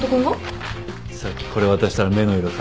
さっきこれ渡したら目の色変えてた。